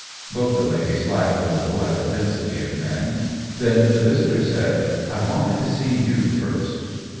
Both the ladies laughed a little at the density of men ; then the visitor said :" I wanted to see you first."